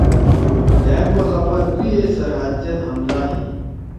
دھأک وخا بعد دُوئی اے سرحد زید حملہ ہی۔